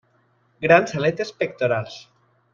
Grans aletes pectorals.